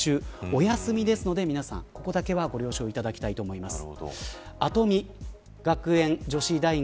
お休みですので皆さんここだけはご了承いただきたいと思います。